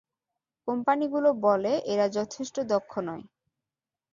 কোম্পানিগুলো বলে এরা যথেষ্ট দক্ষ নয়।